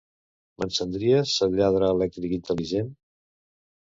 M'encendries el lladre elèctric intel·ligent?